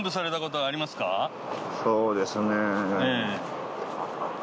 そうですね。